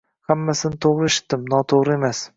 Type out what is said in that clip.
Hammasini to`g`ri eshitdim, noto`g`ri emas